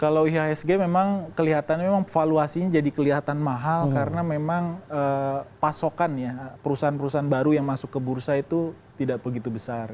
kalau ihsg memang kelihatannya memang valuasinya jadi kelihatan mahal karena memang pasokan ya perusahaan perusahaan baru yang masuk ke bursa itu tidak begitu besar